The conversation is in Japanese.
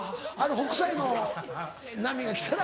北斎の波が来たら。